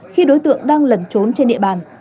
khi đối tượng đang lẩn trốn trên địa bàn